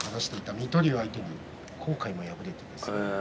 水戸龍に今回も敗れています。